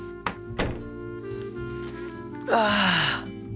ああ。